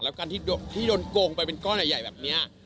แล้วการที่โดนโกงไปเป็นก้อนใหญ่แบบนี้